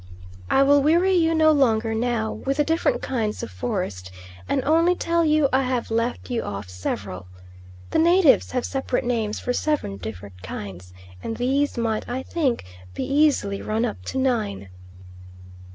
I will weary you no longer now with the different kinds of forest and only tell you I have let you off several. The natives have separate names for seven different kinds, and these might, I think, be easily run up to nine.